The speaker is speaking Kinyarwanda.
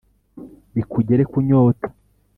bikugere ku nyota